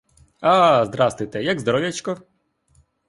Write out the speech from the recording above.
А, здрастуйте, як здоров'ячко?